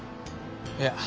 いや。